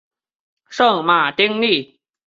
圣马丁利。